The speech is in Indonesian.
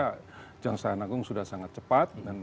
kejaksaan agung sudah sangat cepat